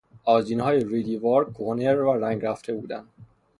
آذینهای روی دیوار کهنه و رنگ رفته بودند.